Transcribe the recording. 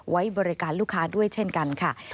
ไว้บริการลูกค้าด้วยเช่นกันค่ะ